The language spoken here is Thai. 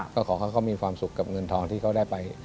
ก็ขอให้เขามีความสุขกับเงินทองที่เขาได้ไป